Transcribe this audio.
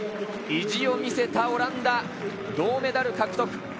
意地を見せたオランダ銅メダル獲得。